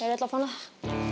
ya udah telepon lah